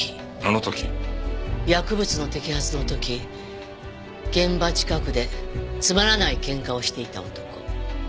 薬物の摘発の時現場近くでつまらないケンカをしていた男。